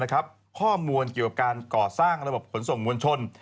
ข้อมูลเกี่ยวกับการก่อสร้างระบบขนส่งมวลชน